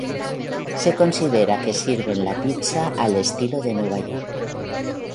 Se considera que sirven la pizza al estilo de Nueva York.